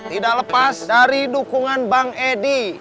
tidak lepas dari dukungan bang edi